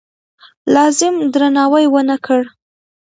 لازم درناوی ونه کړ.